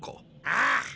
ああ！